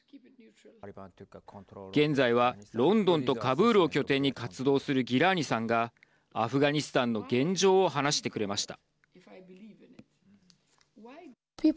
現在はロンドンとカブールを拠点に活動するギラーニさんがアフガニスタンの現状を話してくれました。